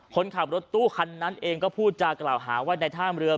คนขับรถตู้คันนั้นเองก็พูดจากกล่าวหาว่าในท่ามเรือ